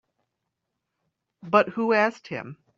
But who asked him?